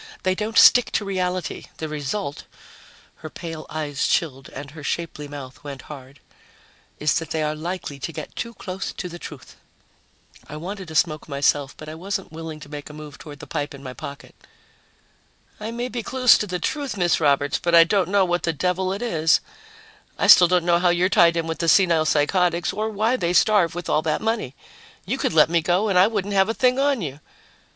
They don't stick to reality. The result " her pale eyes chilled and her shapely mouth went hard "is that they are likely to get too close to the truth." I wanted a smoke myself, but I wasn't willing to make a move toward the pipe in my jacket. "I may be close to the truth, Miss Roberts, but I don't know what the devil it is. I still don't know how you're tied in with the senile psychotics or why they starve with all that money. You could let me go and I wouldn't have a thing on you."